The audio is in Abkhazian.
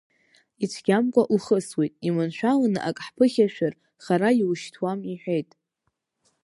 Ицәгьамкәа ухысуеит, иманшәаланы ак ҳԥыхьашәар, хара иушьҭуам иҳәеит…